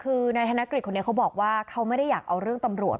คือนายธนกฤษคนนี้เขาบอกว่าเขาไม่ได้อยากเอาเรื่องตำรวจ